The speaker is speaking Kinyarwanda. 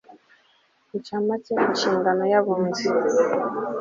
ncamake inshingano y abunzi